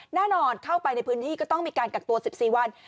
แน่นอนเข้าไปในพื้นที่ก็ต้องมีการกักตัว๑๔วัน